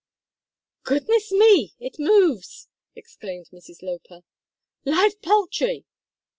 "Goodness me! it moves!" exclaimed Mrs Loper. "Live poultry!"